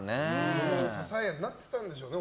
それが支えになってたんでしょうね。